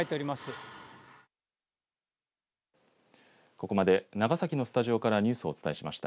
ここまで長崎のスタジオからニュースをお伝えしました。